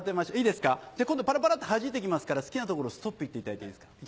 いいですか今度パラパラってはじいていきますから好きなところ「ストップ」言っていただいていいですか？